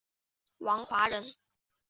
王华人。